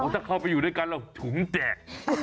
ถ้าเข้าไปอยู่ด้วยกันเราถุงแจก